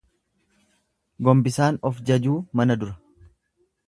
Gombisaan of jajuu mana dura.